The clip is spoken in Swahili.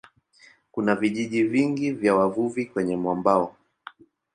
Kuna vijiji vingi vya wavuvi kwenye mwambao.